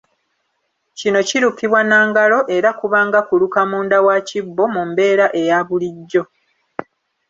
Kino kirukibwa na ngalo era kuba nga kuluka munda wa kibbo mu mbeera eya bulijjo.